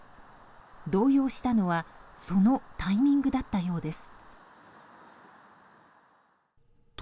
動揺したのはそのタイミングだったようです。